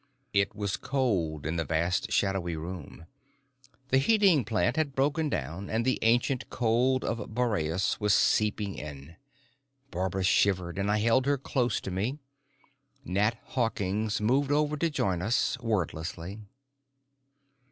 It was cold in the vast shadowy room. The heating plant had broken down and the ancient cold of Boreas was seeping in. Barbara shivered and I held her close to me. Nat Hawkins moved over to join us, wordlessly.